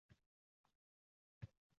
“kartoshka puli” berilishi nazarda tutilgan.